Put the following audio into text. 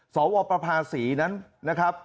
สวประภาษีนั้นนะครับ